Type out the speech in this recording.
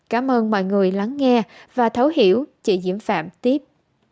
cảm ơn mọi người lắng nghe và thấu hiểu chị diễm phạm tiếp